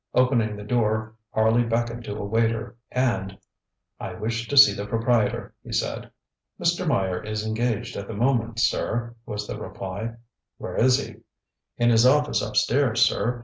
Opening the door Harley beckoned to a waiter, and: ŌĆ£I wish to see the proprietor, ŌĆØ he said. ŌĆ£Mr. Meyer is engaged at the moment, sir, ŌĆØ was the reply. ŌĆ£Where is he? ŌĆØ ŌĆ£In his office upstairs, sir.